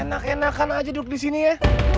enak enak kamu aja duduk disini ya